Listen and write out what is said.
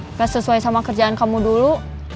udah sesuai sama kerjaan kamu dulu